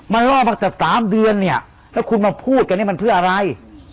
มารอบตั้งแต่๓เดือนแล้วคุณมาพูดกันมันเพื่ออะไร